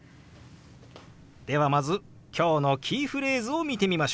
ではまず今日のキーフレーズを見てみましょう。